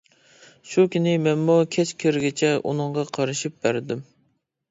شۇ كۈنى مەنمۇ كەچ كىرگىچە ئۇنىڭغا قارىشىپ بەردىم.